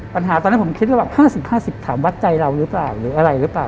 ตอนนั้นผมคิดว่า๕๐๕๐ถามวัดใจเราหรือเปล่าหรืออะไรหรือเปล่า